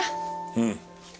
うん。